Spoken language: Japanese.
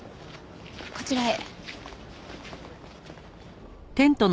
こちらへ。